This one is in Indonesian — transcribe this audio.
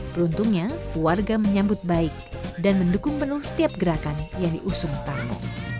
beruntungnya warga menyambut baik dan mendukung penuh setiap gerakan yang diusung tamu